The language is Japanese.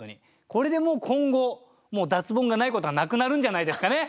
これでもう今後脱ボンがないことはなくなるんじゃないですかね。